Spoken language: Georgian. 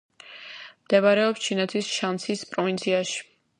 მდებარეობს ჩინეთის შანსის პროვინციაში.